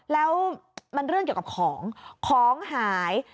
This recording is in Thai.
แล้วมันเรื่องเกี่ยวกับของของหาย